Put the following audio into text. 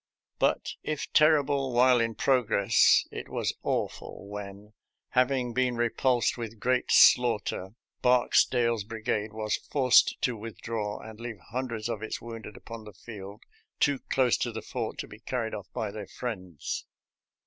But if terrible while in prog ress, it was awful when, having been repulsed with great slaughter, Barksdale's brigade was forced to withdraw and leave hundreds of its wounded upon the. field, too close to the fort to be carried off by their friends.